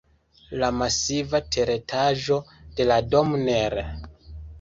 La masiva teretaĝo de la domo nr.